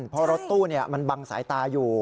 เพราะรถตู้มันบังสายตาอยู่